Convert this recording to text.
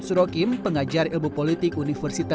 saiful diberi penghargaan kembali ke penjara